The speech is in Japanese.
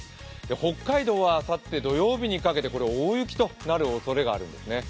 北海道はあさって土曜日にかけて大雪となるおそれがあるんです。